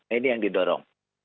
ini yang didorong